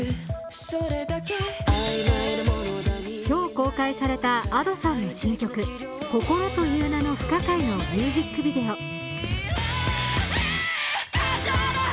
今日公開されたＡｄｏさんの新曲「心という名の不可解」のミュージックビデオ。